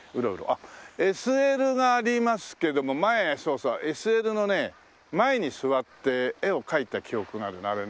あっＳＬがありますけれども前そうそうＳＬのね前に座って絵を描いた記憶があるあれ何年前かな？